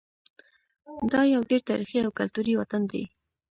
دا یو ډېر تاریخي او کلتوري وطن دی.